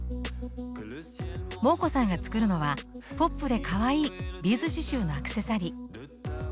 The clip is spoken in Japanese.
モー子さんが作るのはポップでかわいいビーズ刺しゅうのアクセサリー。